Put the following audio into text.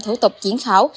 thủ tục triển khảo